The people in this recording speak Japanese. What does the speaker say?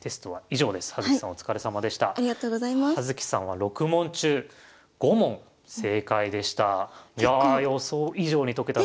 葉月さんは６問中５問正解でした。